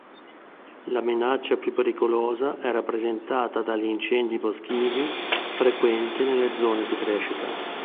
La minaccia più pericolosa è rappresentata dagli incendi boschivi frequenti nelle zone di crescita.